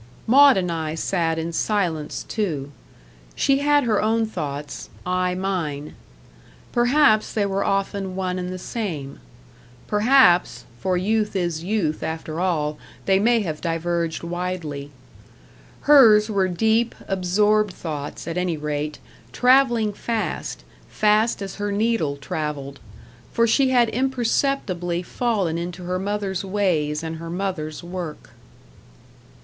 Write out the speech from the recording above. Maud and I sat in silence too. She had her own thoughts I mine. Perhaps they were often one and the same: perhaps for youth is youth after all they may have diverged widely. Hers were deep, absorbed thoughts, at any rate, travelling fast fast as her needle travelled; for she had imperceptibly fallen into her mother's ways and her mother's work.